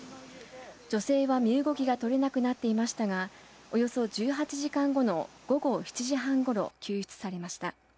女性は身動きがとれなくなっていましたがおよそ１８時間後の午後７時半ごろ救出されました。